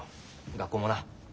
学校もな。